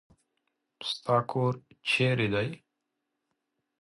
ستا کور چېري دی ؟